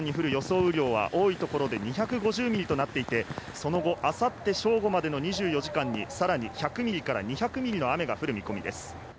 雨量は多い所で２５０ミリとなっていて、その後、明後日正午までの２４時間にさらに１００ミリから２００ミリの雨が降る見込みです。